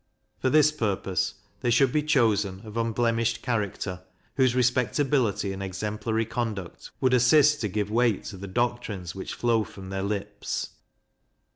For this purpose, they should be chosen of unblemished character, whose respectability and exemplary conduct would assist to give weight to the doctrines which flow from their lips.